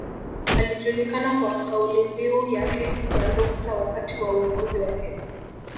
Alijulikana kwa kaulimbiu yake ya Ruksa wakati wa uongozi wake